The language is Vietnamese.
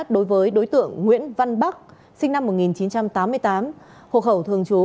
đối với đối tượng nguyễn văn bắc sinh năm một nghìn chín trăm tám mươi tám hộ khẩu thường trú